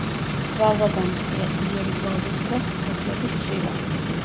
გვალვაგამძლეა; ძლიერი გვალვის დროს ფოთლები სცვივა.